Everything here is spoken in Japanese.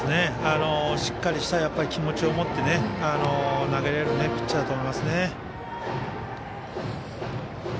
しっかりした気持ちを持って投げれるピッチャーだと思います。